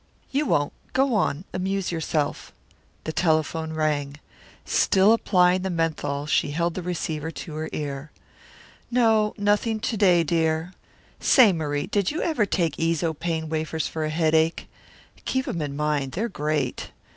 "You won't. Go on amuse yourself." The telephone rang. Still applying the menthol she held the receiver to her ear. "No, nothing to day, dear. Say, Marie, did you ever take Eezo Pain Wafers for a headache? Keep 'em in mind they're great.